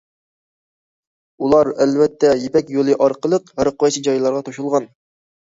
ئۇلار ئەلۋەتتە« يىپەك يولى» ئارقىلىق ھەرقايسى جايلارغا توشۇلغان.